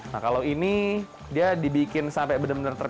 nah kalau ini dia dibikin sampai benar benar terpisah dari adonan